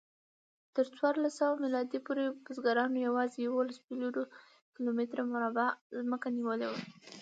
تر څوارلسسوه میلادي پورې بزګرانو یواځې یوولس میلیونه کیلومتره مربع ځمکه نیولې وه.